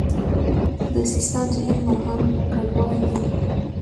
د سیستان جهیل مرغان کډوال دي